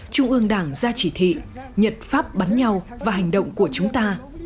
trung ương đảng ra chỉ thị nhật pháp bắn nhau và hành động của chúng ta